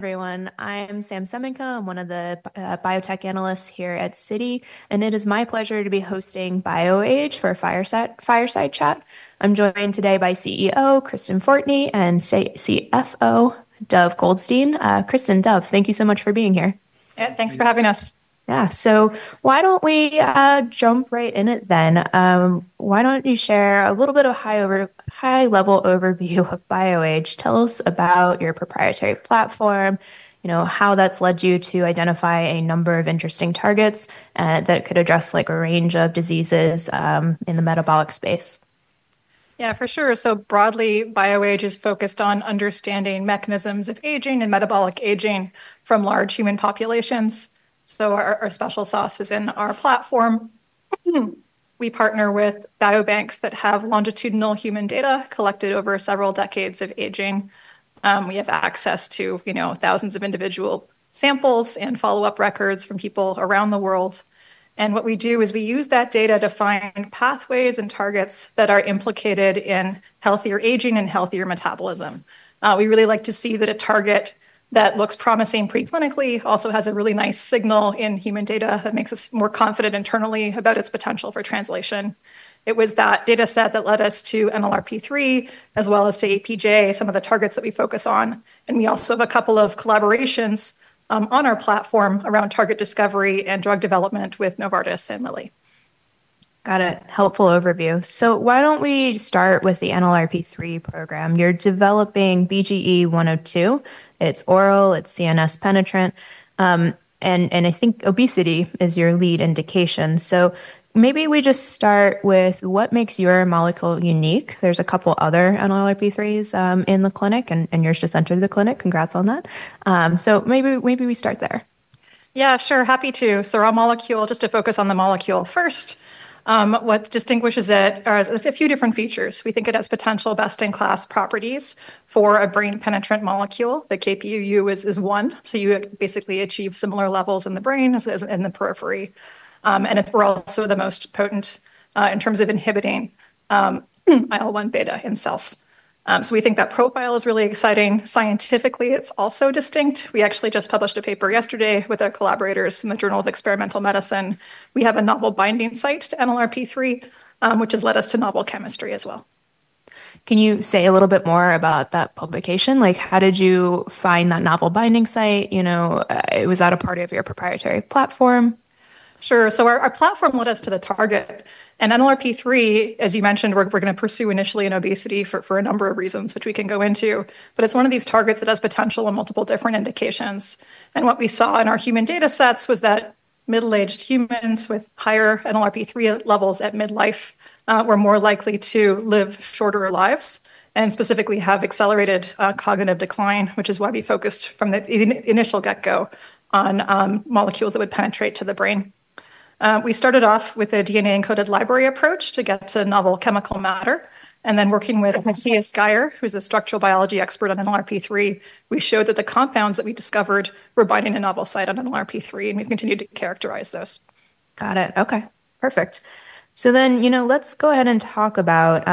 ... everyone, I'm Sam Semenkow. I'm one of the biotech analysts here at Citi, and it is my pleasure to be hosting BioAge for a fireside chat. I'm joined today by CEO Kristen Fortney and CFO Dov Goldstein. Kristen, Dov, thank you so much for being here. Yeah, thanks for having us. Thank you. Yeah. So why don't we jump right in it then? Why don't you share a little bit of high-level overview of BioAge? Tell us about your proprietary platform, you know, how that's led you to identify a number of interesting targets that could address like a range of diseases in the metabolic space. Yeah, for sure, so broadly, BioAge is focused on understanding mechanisms of aging and metabolic aging from large human populations. Our special sauce is in our platform. We partner with biobanks that have longitudinal human data collected over several decades of aging. We have access to, you know, thousands of individual samples and follow-up records from people around the world, and what we do is we use that data to find pathways and targets that are implicated in healthier aging and healthier metabolism. We really like to see that a target that looks promising preclinically also has a really nice signal in human data that makes us more confident internally about its potential for translation. It was that data set that led us to NLRP3, as well as to APJ, some of the targets that we focus on, and we also have a couple of collaborations, on our platform around target discovery and drug development with Novartis and Lilly. Got it. Helpful overview. So why don't we start with the NLRP3 program? You're developing BGE-102. It's oral, it's CNS-penetrant, and I think obesity is your lead indication. So maybe we just start with what makes your molecule unique. There's a couple other NLRP3s in the clinic, and yours just entered the clinic. Congrats on that. So maybe we start there. Yeah, sure. Happy to. So our molecule, just to focus on the molecule first, what distinguishes it are a few different features. We think it has potential best-in-class properties for a brain-penetrant molecule. The Kp,uu is 1, so you basically achieve similar levels in the brain as in the periphery. And it's also the most potent in terms of inhibiting IL-1β in cells. So we think that profile is really exciting. Scientifically, it's also distinct. We actually just published a paper yesterday with our collaborators in the Journal of Experimental Medicine. We have a novel binding site to NLRP3, which has led us to novel chemistry as well. Can you say a little bit more about that publication? Like, how did you find that novel binding site? You know, was that a part of your proprietary platform? Sure. So our platform led us to the target. And NLRP3, as you mentioned, we're going to pursue initially in obesity for a number of reasons, which we can go into, but it's one of these targets that has potential in multiple different indications. And what we saw in our human data sets was that middle-aged humans with higher NLRP3 levels at midlife were more likely to live shorter lives, and specifically have accelerated cognitive decline, which is why we focused from the initial get-go on molecules that would penetrate to the brain. We started off with a DNA-encoded library approach to get to novel chemical matter, and then working with Matthias Geyer, who's a structural biology expert on NLRP3, we showed that the compounds that we discovered were binding a novel site on NLRP3, and we've continued to characterize those. Got it. Okay, perfect. So then, you know, let's go ahead and talk about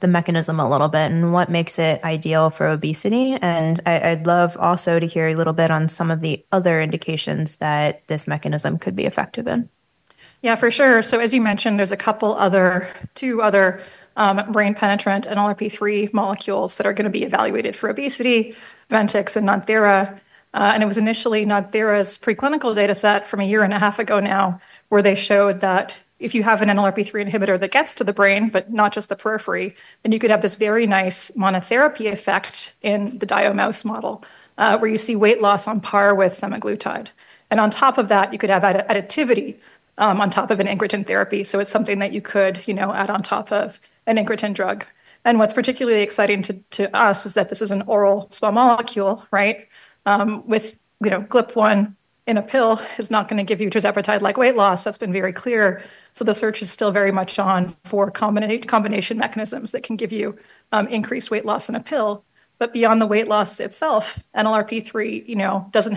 the mechanism a little bit and what makes it ideal for obesity. And I'd love also to hear a little bit on some of the other indications that this mechanism could be effective in. Yeah, for sure. So as you mentioned, there's a couple other, two other, brain-penetrant NLRP3 molecules that are going to be evaluated for obesity, Ventyx and NodThera. And it was initially NodThera's preclinical data set from a year and a half ago now, where they showed that if you have an NLRP3 inhibitor that gets to the brain, but not just the periphery, then you could have this very nice monotherapy effect in the DIO mouse model, where you see weight loss on par with semaglutide. And on top of that, you could have additivity on top of an incretin therapy. So it's something that you could, you know, add on top of an incretin drug. And what's particularly exciting to us is that this is an oral small molecule, right? With, you know, GLP-1 in a pill is not going to give you tirzepatide-like weight loss. That's been very clear. So the search is still very much on for combination mechanisms that can give you increased weight loss in a pill. But beyond the weight loss itself, NLRP3, you know, doesn't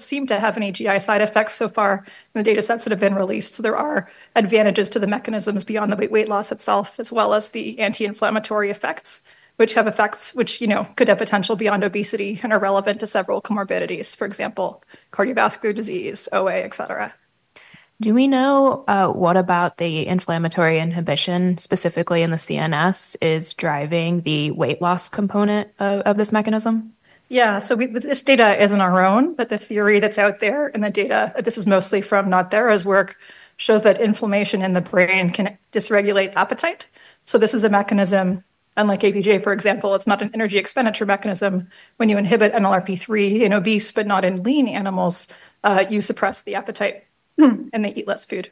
seem to have any GI side effects so far in the data sets that have been released. So there are advantages to the mechanisms beyond the weight loss itself, as well as the anti-inflammatory effects, which have effects which, you know, could have potential beyond obesity and are relevant to several comorbidities. For example, cardiovascular disease, OA, et cetera. Do we know, what about the inflammatory inhibition, specifically in the CNS, is driving the weight loss component of this mechanism? Yeah, so this data isn't our own, but the theory that's out there and the data, this is mostly from NodThera's work, shows that inflammation in the brain can dysregulate appetite. So this is a mechanism, unlike APJ, for example. It's not an energy expenditure mechanism. When you inhibit NLRP3 in obese, but not in lean animals, you suppress the appetite, and they eat less food.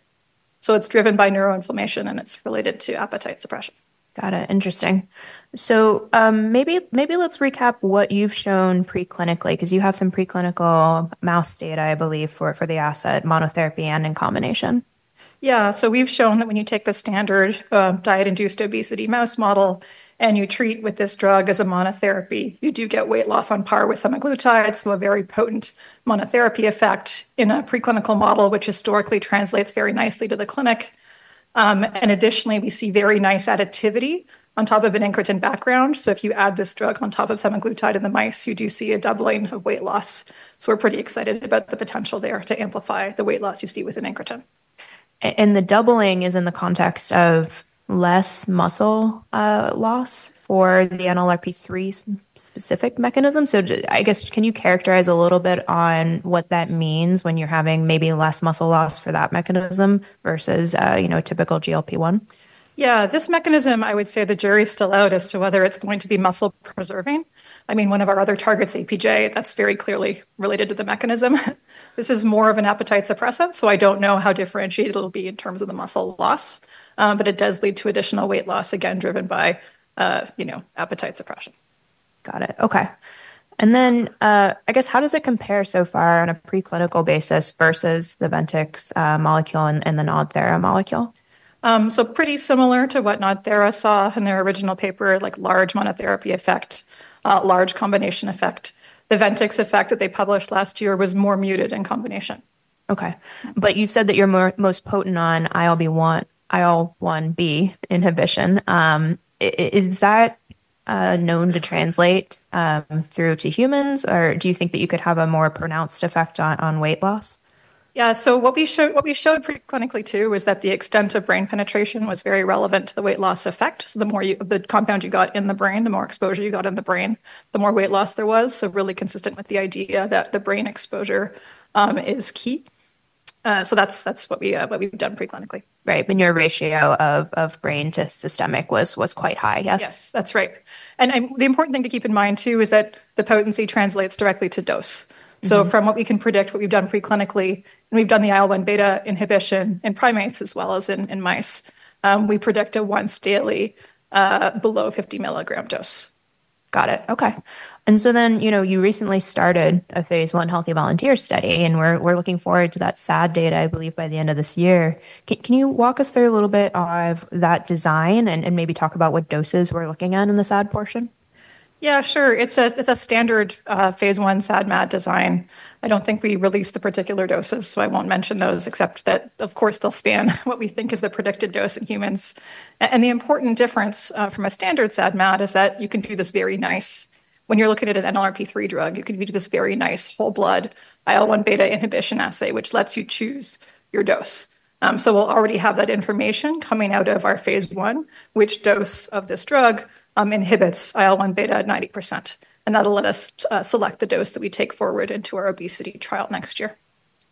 So it's driven by neuroinflammation, and it's related to appetite suppression. Got it. Interesting. So, maybe let's recap what you've shown preclinically, because you have some preclinical mouse data, I believe, for the asset, monotherapy and in combination. Yeah. So we've shown that when you take the standard, diet-induced obesity mouse model, and you treat with this drug as a monotherapy, you do get weight loss on par with semaglutide, so a very potent monotherapy effect in a preclinical model, which historically translates very nicely to the clinic. And additionally, we see very nice additivity on top of an incretin background. So if you add this drug on top of semaglutide in the mice, you do see a doubling of weight loss. So we're pretty excited about the potential there to amplify the weight loss you see with an incretin. And the doubling is in the context of less muscle loss for the NLRP3 specific mechanism? So, I guess, can you characterize a little bit on what that means when you're having maybe less muscle loss for that mechanism versus, you know, a typical GLP-1? Yeah, this mechanism, I would say the jury's still out as to whether it's going to be muscle preserving. I mean, one of our other targets, APJ, that's very clearly related to the mechanism. This is more of an appetite suppressant, so I don't know how differentiated it'll be in terms of the muscle loss, but it does lead to additional weight loss, again, driven by, you know, appetite suppression. Got it. Okay. And then, I guess how does it compare so far on a preclinical basis versus the Ventyx molecule and the NodThera molecule? So pretty similar to what NodThera saw in their original paper, like large monotherapy effect, large combination effect. The Ventyx effect that they published last year was more muted in combination. Okay. But you've said that you're most potent on IL-1β inhibition. Is that known to translate through to humans? Or do you think that you could have a more pronounced effect on weight loss? Yeah, so what we showed preclinically, too, was that the extent of brain penetration was very relevant to the weight loss effect. So the more the compound you got in the brain, the more exposure you got in the brain, the more weight loss there was. So really consistent with the idea that the brain exposure is key. So that's what we've done preclinically. Right, and your ratio of brain to systemic was quite high, yes? Yes, that's right, and the important thing to keep in mind, too, is that the potency translates directly to dose. Mm-hmm. From what we can predict, what we've done preclinically, and we've done the IL-1β, inhibition in primates as well as in mice, we predict a once-daily, below 50 mg dose. Got it. Okay. And so then, you know, you recently started a phase I healthy volunteer study, and we're looking forward to that SAD data, I believe, by the end of this year. Can you walk us through a little bit of that design and maybe talk about what doses we're looking at in the SAD portion? Yeah, sure. It's a standard phase I SAD/MAD design. I don't think we released the particular doses, so I won't mention those, except that, of course, they'll span what we think is the predicted dose in humans. And the important difference from a standard SAD/MAD is that when you're looking at an NLRP3 drug, you can do this very nice whole blood IL-1β, inhibition assay, which lets you choose your dose. So we'll already have that information coming out of our phase I, which dose of this drug inhibits IL-1β at 90%, and that'll let us select the dose that we take forward into our obesity trial next year.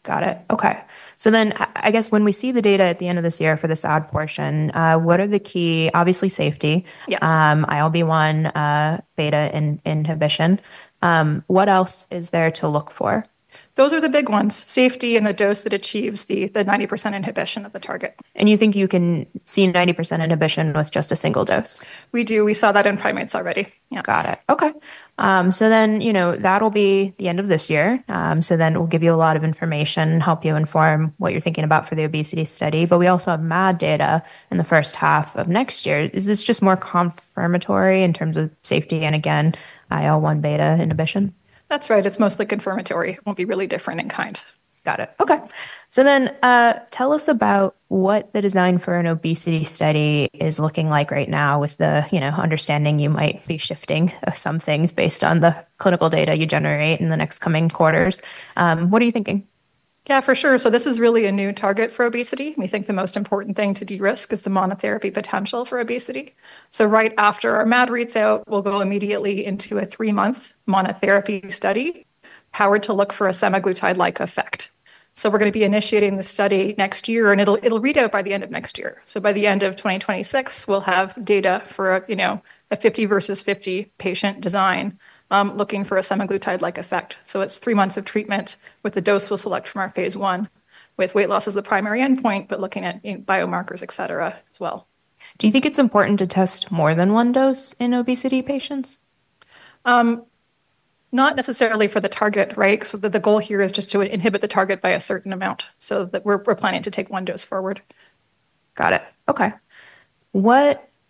Got it. Okay. So then, I guess when we see the data at the end of this year for the SAD portion, what are the key - obviously, safety. Yeah IL-1β, inhibition. What else is there to look for? Those are the big ones: safety and the dose that achieves the 90% inhibition of the target. And you think you can see 90% inhibition with just a single dose? We do. We saw that in primates already. Yeah. Got it. Okay. So then, you know, that'll be the end of this year. So then we'll give you a lot of information and help you inform what you're thinking about for the obesity study, but we also have MAD data in the first half of next year. Is this just more confirmatory in terms of safety, and again, IL-1β, inhibition? That's right. It's mostly confirmatory. It won't be really different in kind. Got it. Okay. So then, tell us about what the design for an obesity study is looking like right now with the, you know, understanding you might be shifting some things based on the clinical data you generate in the next coming quarters. What are you thinking? Yeah, for sure. So this is really a new target for obesity. We think the most important thing to de-risk is the monotherapy potential for obesity. So right after our MAD reads out, we'll go immediately into a three-month monotherapy study, powered to look for a semaglutide-like effect. So we're gonna be initiating the study next year, and it'll read out by the end of next year. So by the end of 2026, we'll have data for, you know, a 50 versus 50 patient design, looking for a semaglutide-like effect. So it's three months of treatment with the dose we'll select from our phase I, with weight loss as the primary endpoint, but looking at inflammatory biomarkers, et cetera, as well. Do you think it's important to test more than one dose in obesity patients? Not necessarily for the target, right? Because the goal here is just to inhibit the target by a certain amount, so that we're planning to take one dose forward. Got it. Okay.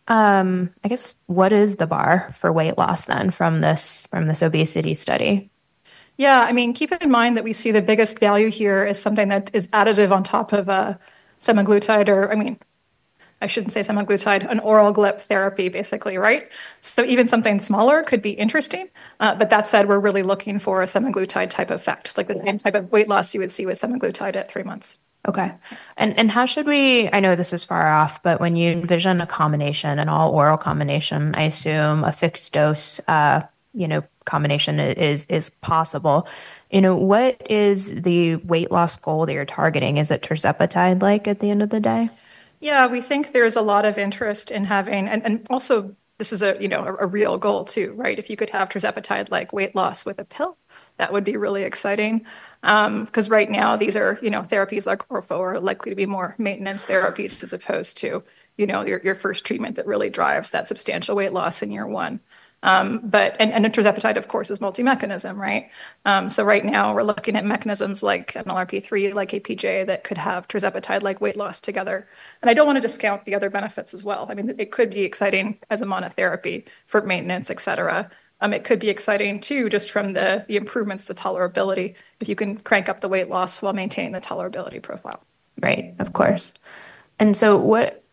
I guess, what is the bar for weight loss then, from this, from this obesity study? Yeah, I mean, keeping in mind that we see the biggest value here is something that is additive on top of a semaglutide or, I mean, I shouldn't say semaglutide, an oral GLP therapy, basically, right? So even something smaller could be interesting. But that said, we're really looking for a semaglutide-type effect, like the same type of weight loss you would see with semaglutide at three months. Okay. And how should we... I know this is far off, but when you envision a combination, an all-oral combination, I assume a fixed dose, you know, combination is possible. You know, what is the weight loss goal that you're targeting? Is it tirzepatide-like at the end of the day? Yeah, we think there's a lot of interest in having... And also, this is a, you know, a real goal, too, right? If you could have tirzepatide-like weight loss with a pill, that would be really exciting. Because right now, these are, you know, therapies like orforglipron are likely to be more maintenance therapies as opposed to, you know, your first treatment that really drives that substantial weight loss in year one. But tirzepatide, of course, is multi-mechanism, right? So right now, we're looking at mechanisms like NLRP3, like APJ, that could have tirzepatide-like weight loss together. And I don't want to discount the other benefits as well. I mean, it could be exciting as a monotherapy for maintenance, et cetera. It could be exciting, too, just from the improvements to tolerability, if you can crank up the weight loss while maintaining the tolerability profile. Right, of course. And so what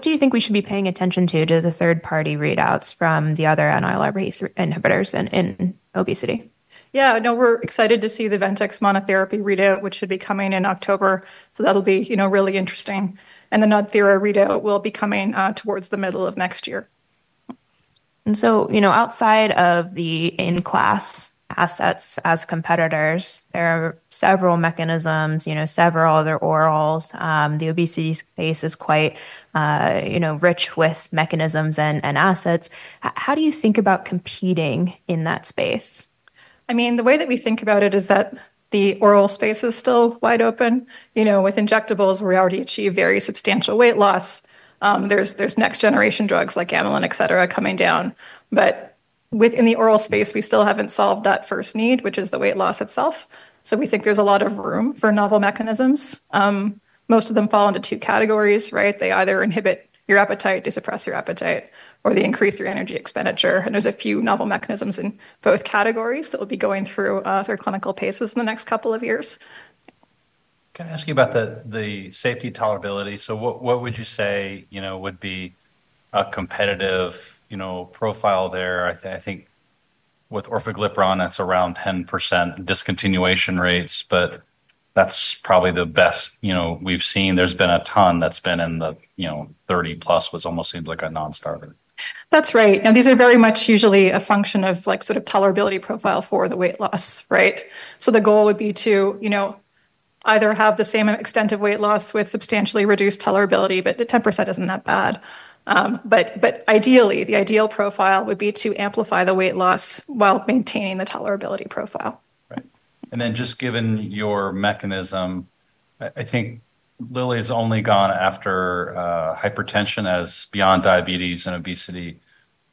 do you think we should be paying attention to the third-party readouts from the other NLRP3 inhibitors in obesity? Yeah, no, we're excited to see the Ventyx monotherapy readout, which should be coming in October. So that'll be, you know, really interesting. And the NodThera readout will be coming towards the middle of next year. And so, you know, outside of the in-class assets as competitors, there are several mechanisms, you know, several other orals. The obesity space is quite, you know, rich with mechanisms and assets. How do you think about competing in that space? I mean, the way that we think about it is that the oral space is still wide open. You know, with injectables, we already achieve very substantial weight loss. There's next generation drugs like amylin, et cetera, coming down. But within the oral space, we still haven't solved that first need, which is the weight loss itself, so we think there's a lot of room for novel mechanisms. Most of them fall into two categories, right? They either inhibit your appetite to suppress your appetite, or they increase your energy expenditure, and there's a few novel mechanisms in both categories that will be going through their clinical paces in the next couple of years. Can I ask you about the safety tolerability? So what would you say, you know, would be a competitive, you know, profile there? I think with orforglipron, that's around 10% discontinuation rates, but that's probably the best, you know, we've seen. There's been a ton that's been in the, you know, 30+, which almost seems like a non-starter. That's right. Now, these are very much usually a function of, like, sort of tolerability profile for the weight loss, right? So the goal would be to, you know, either have the same extent of weight loss with substantially reduced tolerability, but the 10% isn't that bad. But ideally, the ideal profile would be to amplify the weight loss while maintaining the tolerability profile. Right. And then just given your mechanism, I think Lilly's only gone after, uh, hypertension as beyond diabetes and obesity,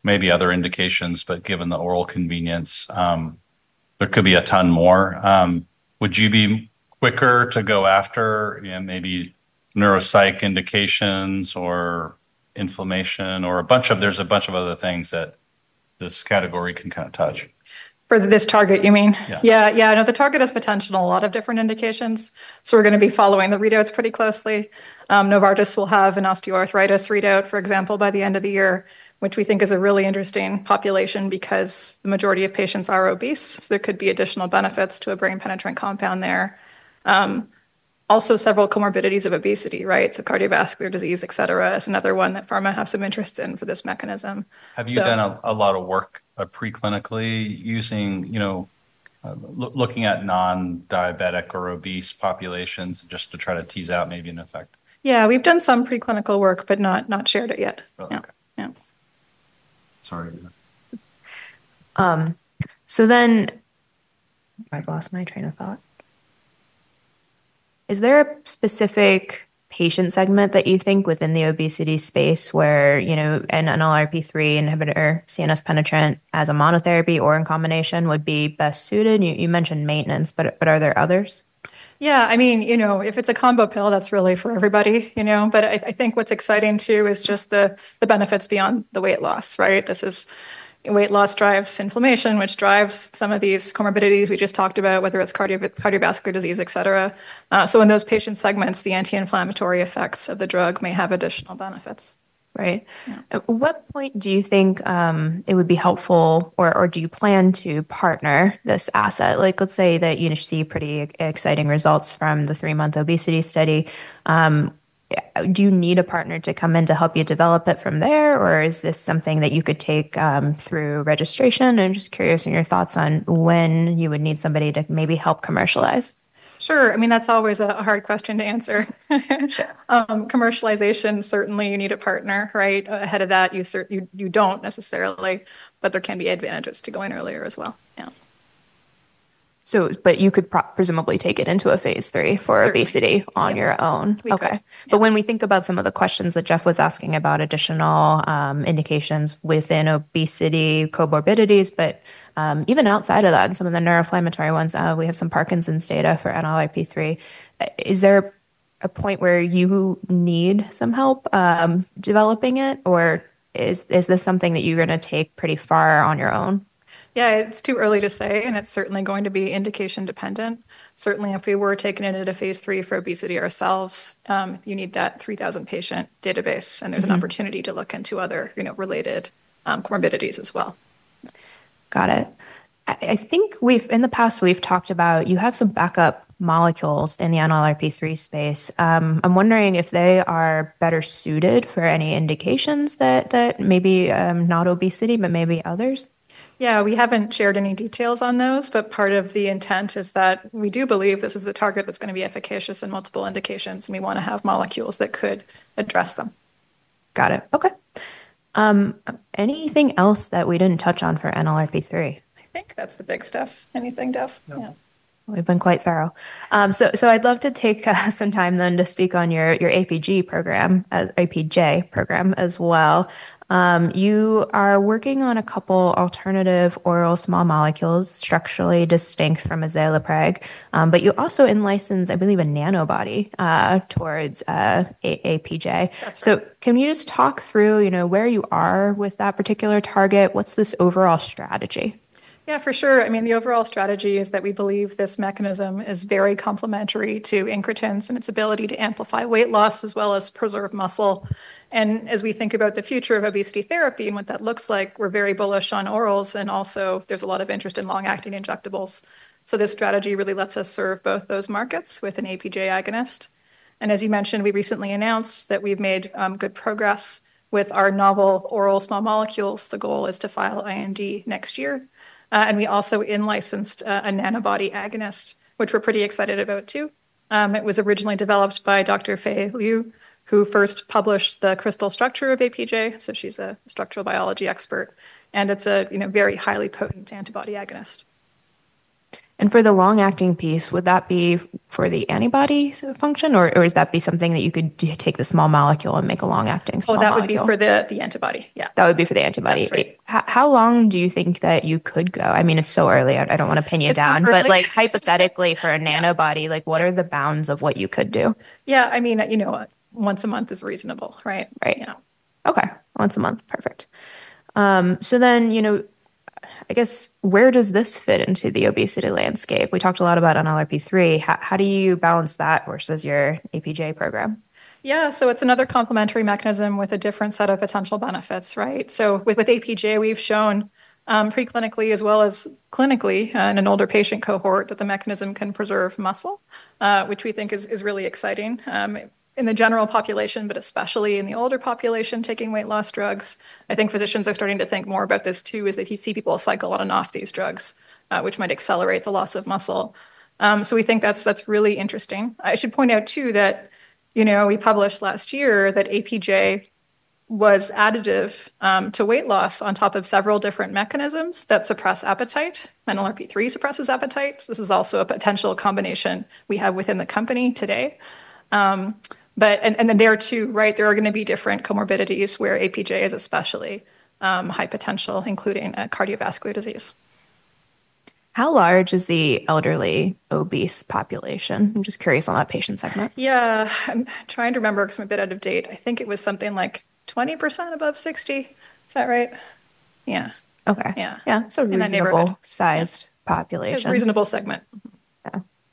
maybe other indications, but given the oral convenience, there could be a ton more. Would you be quicker to go after, you know, maybe neuropsych indications or inflammation or a bunch of- there's a bunch of other things that this category can kind of touch. For this target, you mean? Yeah. Yeah, yeah. No, the target has potential in a lot of different indications, so we're going to be following the readouts pretty closely. Novartis will have an osteoarthritis readout, for example, by the end of the year, which we think is a really interesting population because the majority of patients are obese, so there could be additional benefits to a brain-penetrant compound there. Also several comorbidities of obesity, right? So cardiovascular disease, et cetera, is another one that pharma have some interest in for this mechanism. So- Have you done a lot of work preclinically using, you know, looking at non-diabetic or obese populations just to try to tease out maybe an effect? Yeah, we've done some preclinical work, but not shared it yet. Oh, okay. Yeah. Yeah. Sorry about that. I've lost my train of thought. Is there a specific patient segment that you think within the obesity space where, you know, an NLRP3 inhibitor, CNS penetrant, as a monotherapy or in combination, would be best suited? You mentioned maintenance, but are there others? Yeah, I mean, you know, if it's a combo pill, that's really for everybody, you know? But I think what's exciting too is just the benefits beyond the weight loss, right? Weight loss drives inflammation, which drives some of these comorbidities we just talked about, whether it's cardiovascular disease, et cetera. So in those patient segments, the anti-inflammatory effects of the drug may have additional benefits, right? Yeah. At what point do you think it would be helpful, or do you plan to partner this asset? Like, let's say that you see pretty exciting results from the three-month obesity study. Do you need a partner to come in to help you develop it from there, or is this something that you could take through registration? I'm just curious in your thoughts on when you would need somebody to maybe help commercialize. Sure. I mean, that's always a hard question to answer. Sure. Commercialization, certainly you need a partner, right? Ahead of that, you don't necessarily, but there can be advantages to going earlier as well. Yeah. But you could presumably take it into a phase III for obesity. Sure - on your own. We could. Okay. Yeah. But when we think about some of the questions that Jeff was asking about additional indications within obesity, comorbidities, but even outside of that, in some of the neuroinflammatory ones, we have some Parkinson's data for NLRP3. Is there a point where you need some help developing it, or is this something that you're going to take pretty far on your own? Yeah, it's too early to say, and it's certainly going to be indication dependent. Certainly, if we were taking it into phase III for obesity ourselves, you need that three thousand patient database- Mm-hmm... and there's an opportunity to look into other, you know, related, comorbidities as well. Got it. I think in the past, we've talked about you have some backup molecules in the NLRP3 space. I'm wondering if they are better suited for any indications that maybe not obesity, but maybe others? Yeah, we haven't shared any details on those, but part of the intent is that we do believe this is a target that's going to be efficacious in multiple indications, and we want to have molecules that could address them. Got it. Okay. Anything else that we didn't touch on for NLRP3? I think that's the big stuff. Anything, Dov? No. Yeah. We've been quite thorough, so I'd love to take some time then to speak on your APJ program as well. You are working on a couple alternative oral small molecules, structurally distinct from azelaprag, but you also in-licensed, I believe, a nanobody towards APJ. That's right. Can you just talk through, you know, where you are with that particular target? What's this overall strategy? Yeah, for sure. I mean, the overall strategy is that we believe this mechanism is very complementary to incretins and its ability to amplify weight loss as well as preserve muscle. And as we think about the future of obesity therapy and what that looks like, we're very bullish on orals, and also there's a lot of interest in long-acting injectables. So this strategy really lets us serve both those markets with an APJ agonist. And as you mentioned, we recently announced that we've made good progress with our novel oral small molecules. The goal is to file IND next year. And we also in-licensed a nanobody agonist, which we're pretty excited about too. It was originally developed by Dr. Fei Liu, who first published the crystal structure of APJ, so she's a structural biology expert. And it's a, you know, very highly potent antibody agonist. And for the long-acting piece, would that be for the antibody function, or, or would that be something that you could take the small molecule and make a long-acting small molecule? Oh, that would be for the antibody, yeah. That would be for the antibody. That's right. How long do you think that you could go? I mean, it's so early, I don't want to pin you down- It's super early.... but like, hypothetically, for a nanobody, like, what are the bounds of what you could do? Yeah, I mean, you know, once a month is reasonable, right? Right. You know. Okay, once a month. Perfect. So then, you know, I guess where does this fit into the obesity landscape? We talked a lot about NLRP3. How do you balance that versus your APJ program? Yeah, so it's another complementary mechanism with a different set of potential benefits, right? So with APJ, we've shown preclinically as well as clinically in an older patient cohort, that the mechanism can preserve muscle, which we think is really exciting in the general population, but especially in the older population, taking weight loss drugs. I think physicians are starting to think more about this too, is that you see people cycle on and off these drugs, which might accelerate the loss of muscle. So we think that's really interesting. I should point out, too, that, you know, we published last year that APJ was additive to weight loss on top of several different mechanisms that suppress appetite. NLRP3 suppresses appetite, so this is also a potential combination we have within the company today. But then there are two, right? There are going to be different comorbidities where APJ is especially high potential, including cardiovascular disease. How large is the elderly obese population? I'm just curious on that patient segment. Yeah. I'm trying to remember because I'm a bit out of date. I think it was something like 20% above 60. Is that right? Yeah. Okay. Yeah. Yeah. It's in that neighborhood. Reasonably sized population. A reasonable segment.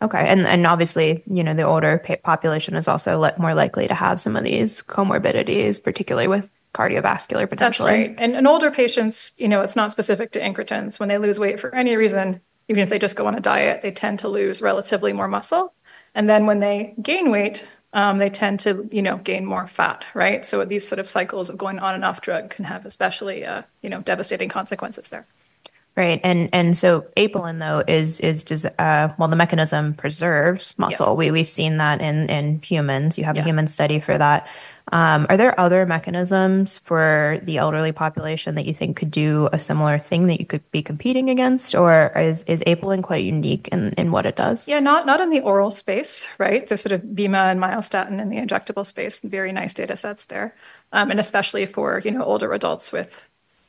Yeah. Okay. And obviously, you know, the older population is also more likely to have some of these comorbidities, particularly with cardiovascular, potentially. That's right. And in older patients, you know, it's not specific to incretins. When they lose weight for any reason, even if they just go on a diet, they tend to lose relatively more muscle, and then when they gain weight, they tend to, you know, gain more fat, right? So these sort of cycles of going on and off drug can have especially, you know, devastating consequences there. Right. And so apelin, though, is well, the mechanism preserves muscle- Yes... we've seen that in humans. Yeah. You have a human study for that. Are there other mechanisms for the elderly population that you think could do a similar thing that you could be competing against, or is apelin quite unique in what it does? Yeah, not in the oral space, right? There's sort of bimagrumab and myostatin in the injectable space, very nice data sets there. And especially for, you know, older adults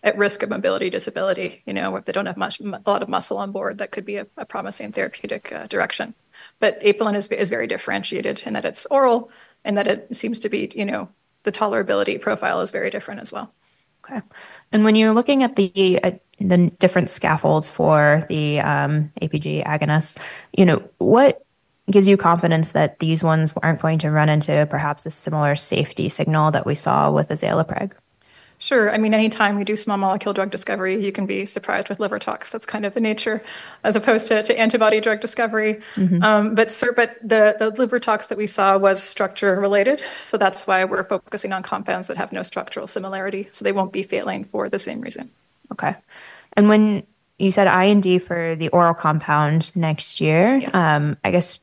at risk of mobility disability, you know, if they don't have a lot of muscle on board, that could be a promising therapeutic direction. But apelin is very differentiated in that it's oral and that it seems to be, you know, the tolerability profile is very different as well. Okay. And when you're looking at the different scaffolds for the APJ agonist, you know, what gives you confidence that these ones aren't going to run into perhaps a similar safety signal that we saw with the azelaprag? Sure. I mean, anytime you do small molecule drug discovery, you can be surprised with liver tox. That's kind of the nature, as opposed to antibody drug discovery. Mm-hmm. But the liver tox that we saw was structure related, so that's why we're focusing on compounds that have no structural similarity, so they won't be failing for the same reason. Okay. And when you said IND for the oral compound next year- Yes... I guess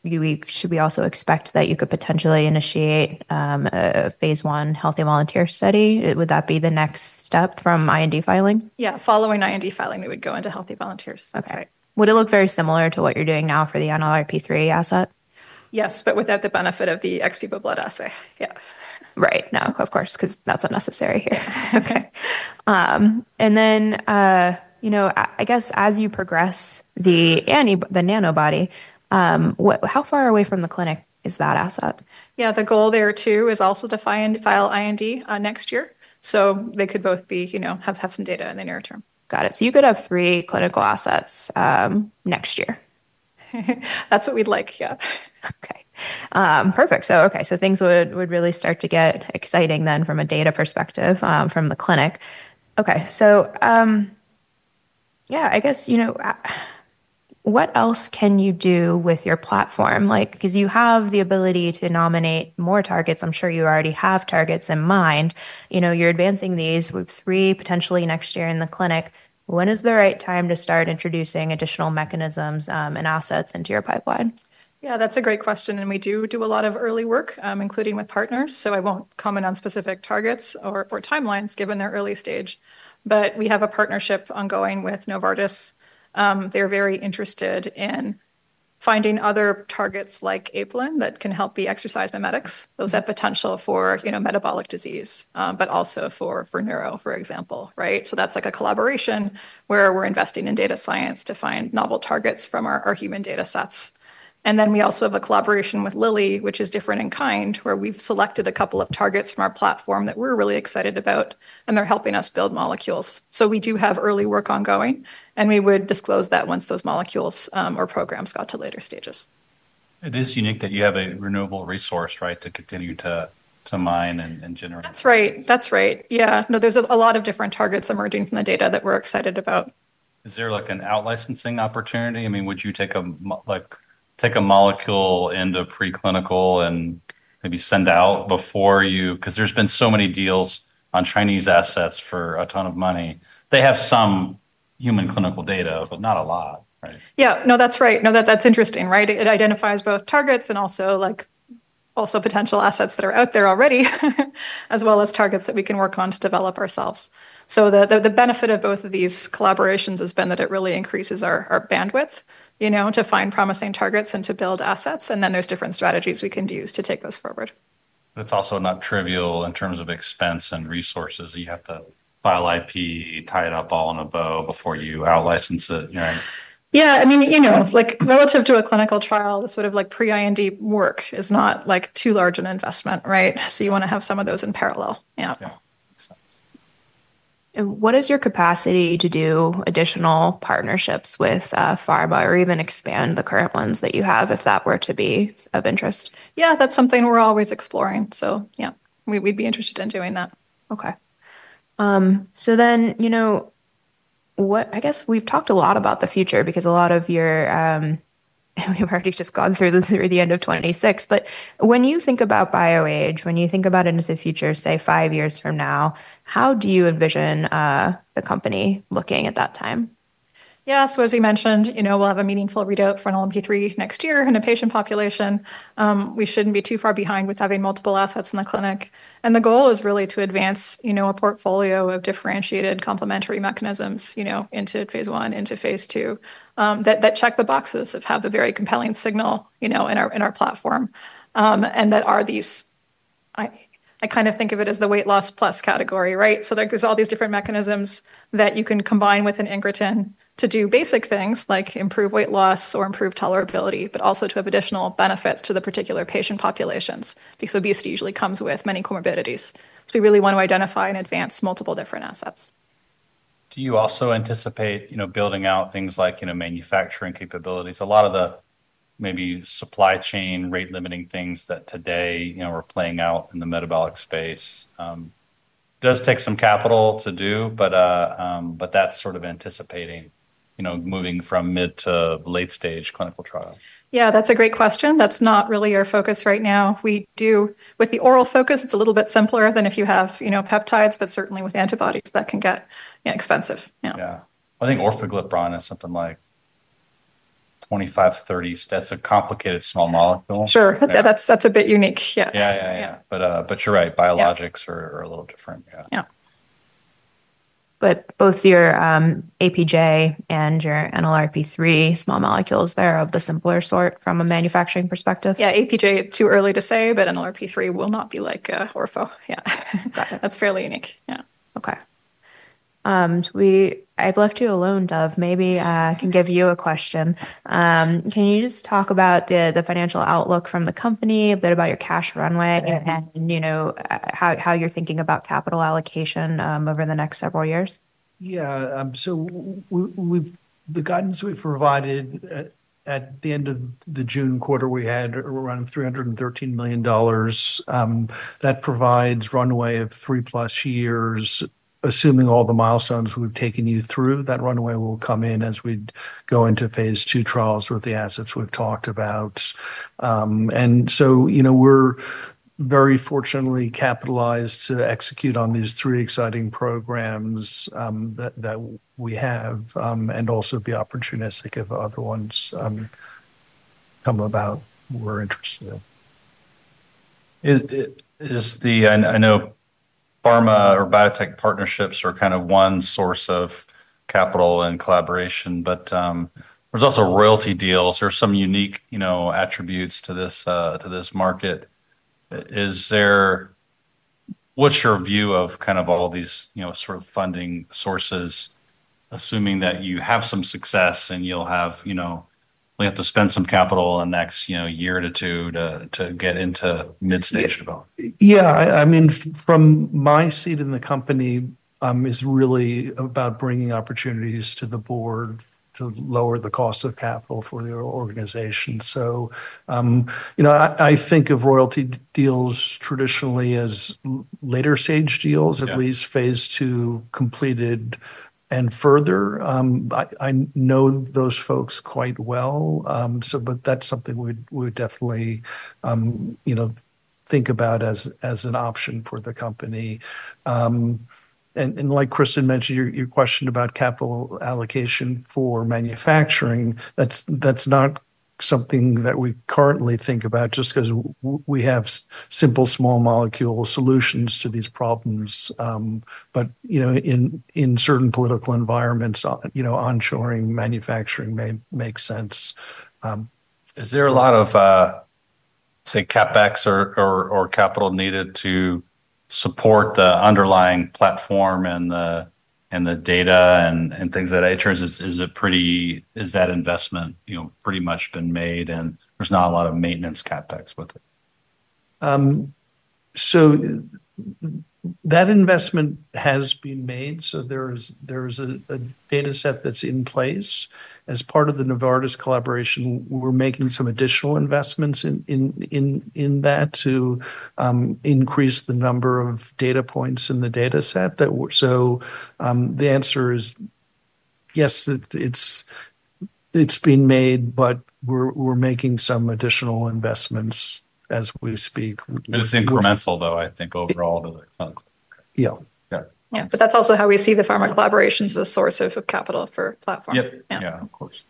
should we also expect that you could potentially initiate a phase I healthy volunteer study? Would that be the next step from IND filing? Yeah. Following IND filing, we would go into healthy volunteers. Okay. That's right. Would it look very similar to what you're doing now for the NLRP3 asset? Yes, but without the benefit of the ex vivo blood assay. Yeah. Right. No, of course, 'cause that's unnecessary here. Yeah. Okay. And then, you know, I guess as you progress the nanobody, how far away from the clinic is that asset? Yeah, the goal there, too, is also to file IND next year. So they could both be, you know, have some data in the near term. Got it. So you could have three clinical assets, next year? That's what we'd like. Yeah. Okay. Perfect. So things would really start to get exciting then from a data perspective, from the clinic. Okay. So yeah, I guess, you know, what else can you do with your platform? Like, 'cause you have the ability to nominate more targets. I'm sure you already have targets in mind. You know, you're advancing these with three potentially next year in the clinic. When is the right time to start introducing additional mechanisms and assets into your pipeline? Yeah, that's a great question, and we do do a lot of early work, including with partners, so I won't comment on specific targets or timelines given their early stage. But we have a partnership ongoing with Novartis. They're very interested in finding other targets like apelin that can help the exercise mimetics, those that have potential for, you know, metabolic disease, but also for neuro, for example, right? So that's like a collaboration where we're investing in data science to find novel targets from our human data sets. And then we also have a collaboration with Lilly, which is different in kind, where we've selected a couple of targets from our platform that we're really excited about, and they're helping us build molecules. So we do have early work ongoing, and we would disclose that once those molecules or programs got to later stages. It is unique that you have a renewable resource, right, to continue to mine and generate- That's right. That's right. Yeah. No, there's a lot of different targets emerging from the data that we're excited about. Is there like an out-licensing opportunity? I mean, would you take a molecule into preclinical and maybe send out before you...? 'Cause there's been so many deals on Chinese assets for a ton of money. They have some human clinical data, but not a lot, right? Yeah. No, that's right. No, that's interesting, right? It identifies both targets and also potential assets that are out there already, as well as targets that we can work on to develop ourselves. So the benefit of both of these collaborations has been that it really increases our bandwidth, you know, to find promising targets and to build assets, and then there's different strategies we can use to take those forward. It's also not trivial in terms of expense and resources. You have to file IP, tie it up all in a bow before you out-license it, you know? Yeah. I mean, you know, like relative to a clinical trial, the sort of like pre-IND work is not like too large an investment, right? So you want to have some of those in parallel. Yeah. Yeah, makes sense. What is your capacity to do additional partnerships with pharma or even expand the current ones that you have, if that were to be of interest? Yeah, that's something we're always exploring. So yeah, we- we'd be interested in doing that. Okay. So then, you know, I guess we've talked a lot about the future because a lot of your... we've already just gone through the end of 2026. But when you think about BioAge, when you think about into the future, say, five years from now, how do you envision the company looking at that time? Yeah, so as we mentioned, you know, we'll have a meaningful readout for NLRP3 next year in a patient population. We shouldn't be too far behind with having multiple assets in the clinic, and the goal is really to advance, you know, a portfolio of differentiated complementary mechanisms, you know, into phase I, into phase II, that check the boxes, that have a very compelling signal, you know, in our platform. And that are these. I kind of think of it as the weight loss plus category, right? So, like, there's all these different mechanisms that you can combine with an incretin to do basic things like improve weight loss or improve tolerability, but also to have additional benefits to the particular patient populations, because obesity usually comes with many comorbidities. So we really want to identify and advance multiple different assets. Do you also anticipate, you know, building out things like, you know, manufacturing capabilities? A lot of the maybe supply chain rate limiting things that today, you know, we're playing out in the metabolic space does take some capital to do, but that's sort of anticipating, you know, moving from mid to late-stage clinical trials. Yeah, that's a great question. That's not really our focus right now. We do with the oral focus, it's a little bit simpler than if you have, you know, peptides, but certainly with antibodies, that can get, yeah, expensive. Yeah. Yeah. I think orforglipron is something like 25-30... That's a complicated small molecule. Sure. Yeah. That's a bit unique. Yeah. Yeah, yeah, yeah. Yeah. But you're right- Yeah... biologics are a little different. Yeah. Yeah. But both your, APJ and your NLRP3 small molecules, they're of the simpler sort from a manufacturing perspective? Yeah. APJ, too early to say, but NLRP3 will not be like, orforglipron. Yeah. Got it. That's fairly unique. Yeah. Okay. I've left you alone, Dov. Maybe I can give you a question. Can you just talk about the financial outlook from the company, a bit about your cash runway, and, you know, how you're thinking about capital allocation over the next several years? Yeah, so the guidance we've provided at the end of the June quarter, we had around $313 million. That provides runway of 3+ years, assuming all the milestones we've taken you through, that runway will come in as we'd go into phase II trials with the assets we've talked about. And so, you know, we're very fortunately capitalized to execute on these three exciting programs that we have, and also be opportunistic if other ones come about, we're interested in. Is the- I know pharma or biotech partnerships are kind of one source of capital and collaboration, but there's also royalty deals. There are some unique, you know, attributes to this market. What's your view of kind of all these, you know, sort of funding sources, assuming that you have some success and you'll have, you know, we have to spend some capital in the next, you know, year to two, to get into mid-stage development? Yeah, I mean, from my seat in the company, it's really about bringing opportunities to the Board to lower the cost of capital for the organization. So, you know, I think of royalty deals traditionally as later stage deals- Yeah... at least phase II completed. And further, I know those folks quite well. So but that's something we'd definitely you know think about as an option for the company. And like Kristen mentioned, your question about capital allocation for manufacturing, that's not something that we currently think about just 'cause we have simple small molecule solutions to these problems. But you know, in certain political environments, you know, onshoring manufacturing may make sense. Is there a lot of, say, CapEx or capital needed to support the underlying platform and the data and things? Is that investment, you know, pretty much been made, and there's not a lot of maintenance CapEx with it? So that investment has been made, so there is a data set that's in place. As part of the Novartis collaboration, we're making some additional investments in that to increase the number of data points in the data set that we... So, the answer is yes, it's been made, but we're making some additional investments as we speak. But it's incremental, though. I think overall to the... Yeah. Yeah. Yeah, but that's also how we see the pharma collaboration as a source of capital for platform. Yep. Yeah. Yeah, of course.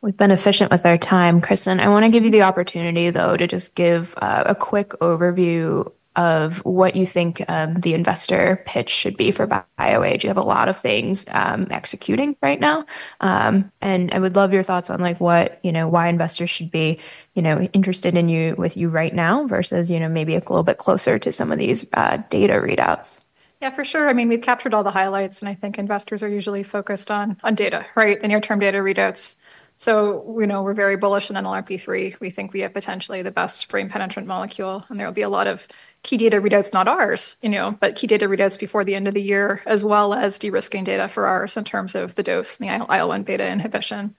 We've been efficient with our time. Kristen, I want to give you the opportunity, though, to just give a quick overview of what you think the investor pitch should be for BioAge. You have a lot of things executing right now. I would love your thoughts on, like, what, you know, why investors should be, you know, interested in you, with you right now versus, you know, maybe a little bit closer to some of these data readouts. Yeah, for sure. I mean, we've captured all the highlights, and I think investors are usually focused on data, right? The near-term data readouts. So we know we're very bullish on NLRP3. We think we have potentially the best brain-penetrant molecule, and there will be a lot of key data readouts, not ours, you know, but key data readouts before the end of the year, as well as de-risking data for ours in terms of the dose and the IL-1β inhibition.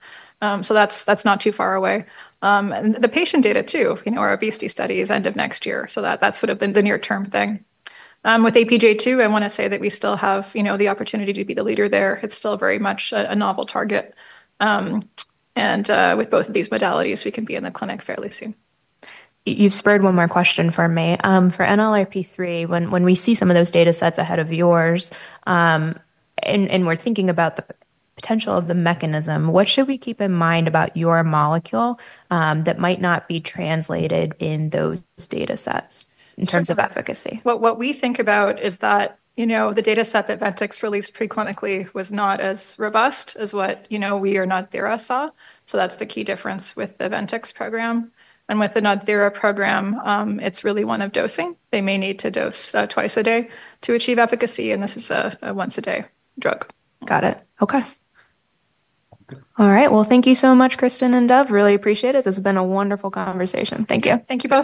So that's not too far away. And the patient data, too, you know, our obesity study is end of next year, so that's sort of been the near-term thing. With APJ-2, I want to say that we still have, you know, the opportunity to be the leader there. It's still very much a novel target. With both of these modalities, we can be in the clinic fairly soon. You've spurred one more question for me. For NLRP3, when we see some of those data sets ahead of yours, and we're thinking about the potential of the mechanism, what should we keep in mind about your molecule, that might not be translated in those data sets in terms of efficacy? What we think about is that, you know, the data set that Ventyx released pre-clinically was not as robust as what, you know, we or NodThera saw, so that's the key difference with the Ventyx program. With the NodThera program, it's really one of dosing. They may need to dose twice a day to achieve efficacy, and this is a once-a-day drug. Got it. Okay. All right. Well, thank you so much, Kristen and Dov. Really appreciate it. This has been a wonderful conversation. Thank you. Thank you both.